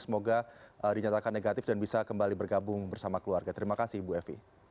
semoga dinyatakan negatif dan bisa kembali bergabung bersama keluarga terima kasih ibu evi